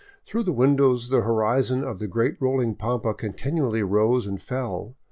Through the windows the horizon of the great rolling pampa continually rose and fell.